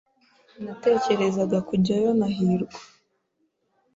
Natekerezaga kujyayo na hirwa.